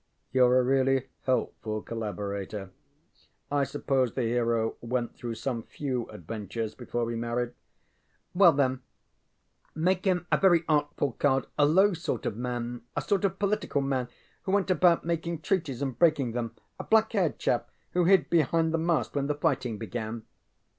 ŌĆØ ŌĆ£YouŌĆÖre a really helpful collaborator. I suppose the hero went through some few adventures before he married. ŌĆØ ŌĆ£Well then, make him a very artful card a low sort of man a sort of political man who went about making treaties and breaking them a black haired chap who hid behind the mast when the fighting began.